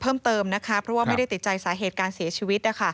เพิ่มเติมนะคะเพราะว่าไม่ได้ติดใจสาเหตุการเสียชีวิต